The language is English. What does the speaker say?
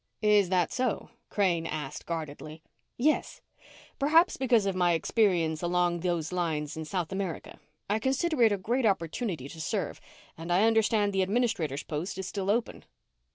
"Is that so?" Crane asked guardedly. "Yes. Perhaps because of my experience along those lines in South America. I consider it a great opportunity to serve and I understand the administrator's post is still open."